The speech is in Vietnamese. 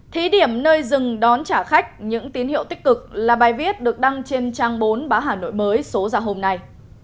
thí điểm nơi dừng đón trả khách những tín hiệu tích cực là bài viết được đăng trên trang bốn bá hà nội mới số ra hôm nay